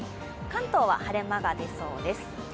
関東は晴れ間が出そうです。